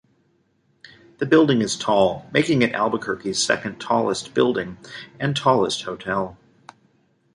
The building is tall, making it Albuquerque's second tallest building and tallest hotel.